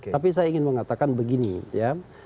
tapi saya ingin mengatakan begini ya